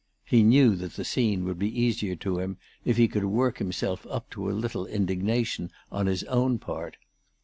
He knew that the scene would be easier to him if he could work himself up to a little indignation on his own part.